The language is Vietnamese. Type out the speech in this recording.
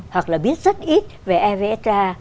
hoặc là biết rất ít về evfta